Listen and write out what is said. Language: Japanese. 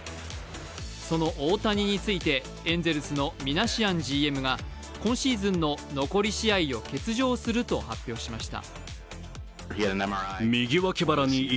その大谷についてエンゼルスのミナシアンＧＭが今シーズンの残り試合を欠場すると発表しました。